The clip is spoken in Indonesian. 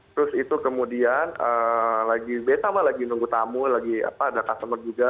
terus itu kemudian lagi betama lagi nunggu tamu lagi ada customer juga